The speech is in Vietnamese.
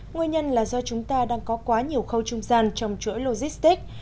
nguyên nhân là do chúng ta đang có quá nhiều khâu trung gian trong chuỗi logistics